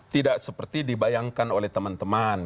tidak seperti dibayangkan oleh teman teman